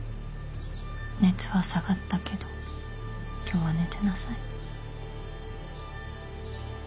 熱は下がったけど今日は寝てなさい。